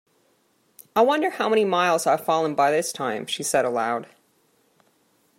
‘I wonder how many miles I’ve fallen by this time?’ she said aloud.